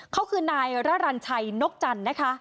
เขาคือนายระรันชัยนกจันทร์นะคะ